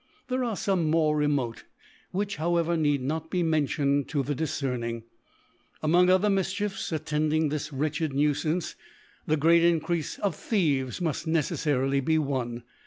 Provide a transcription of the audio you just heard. There are feme more remote, which, however, need not be mentioned to the Difcerning. Among other Mifi:hiefs attending this wretched Nuifance, the great Increafe of Thieves muft ncceflarily be one.